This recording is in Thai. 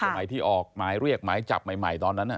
หมายที่ออกหมายเรียกหมายจับใหม่ตอนนั้น